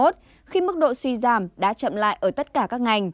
số suy giảm đã chậm lại ở tất cả các ngành